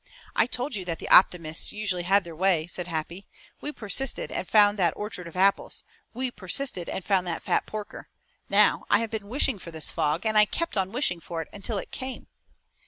"I told you that the optimists usually had their way," said Happy. "We persisted and found that orchard of apples. We persisted and found that fat porker. Now, I have been wishing for this fog, and I kept on wishing for it until it came."